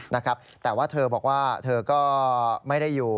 นะครับแต่ว่าเธอบอกว่าเธอก็ไม่ได้อยู่